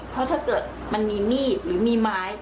เพราะถ้าเกิดมันมีมีดหรือมีไม้